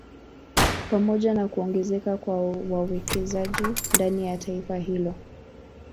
Pamoja na kuongezeka kwa wawekezaji ndani ya taifa hilo